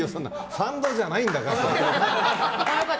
ファンドじゃないんだから。